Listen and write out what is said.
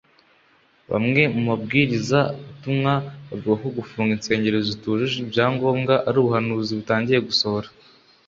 Bamwe mu babwiriza butumwa bavuga ko gufunga insengero zitujuje ibya ngombwa ari ubuhanuzi butangiye gusohora